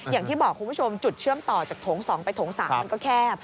อย่างที่บอกคุณผู้ชมจุดเชื่อมต่อจากโถง๒ไปโถง๓มันก็แคบ